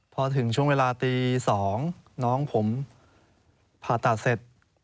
พอถึงช่วงเวลาตี๒น้องผมผ่าตัดเสร็จ